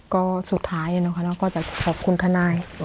ก็สุดท้ายแล้วก็จะขอบคุณทนาย